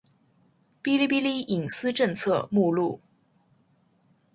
《哔哩哔哩隐私政策》目录